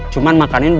cuma makannya berubah